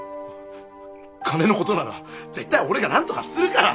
金のことなら絶対俺が何とかするから！